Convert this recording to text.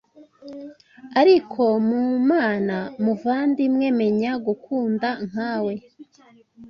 ariko mu mana muvandimwe menya gukunda nkawe